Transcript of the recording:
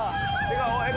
「笑顔？